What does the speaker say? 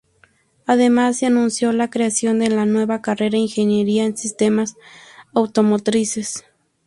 Además se anunció la creación de la nueva carrera Ingeniería en Sistemas Automotrices.